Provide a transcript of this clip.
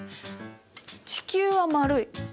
地球は丸い。